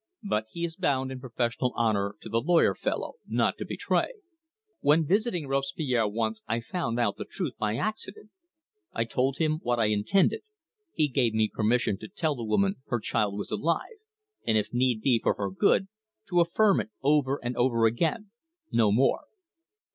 But he is bound in professional honour to the lawyer fellow, not to betray. When visiting Robespierre once I found out the truth by accident. "I told him what I intended. He gave permission to tell the woman her child was alive; and, if need be for her good, to affirm it over and over again no more."